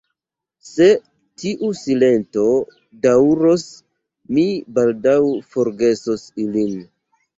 Se tiu silento daŭros, mi baldaŭ forgesos ilin.